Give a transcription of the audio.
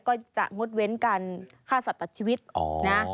ก็จะงดเว้นการฆ่าสัตว์ตัดชีวิตนะ